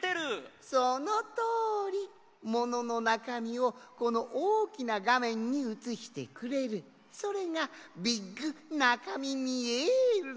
そのとおり！もののなかみをこのおおきながめんにうつしてくれるそれがビッグナカミミエルなんじゃ。